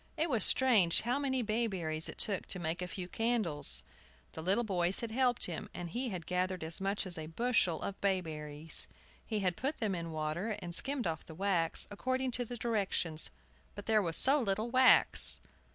It was strange how many bayberries it took to make a few candles! The little boys had helped him, and he had gathered as much as a bushel of bayberries. He had put them in water, and skimmed off the wax, according to the directions; but there was so little wax!